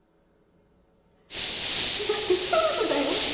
だって夫婦だよ。